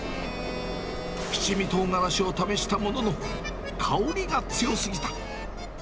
七味とうがらしを試したものの香りが強すぎた。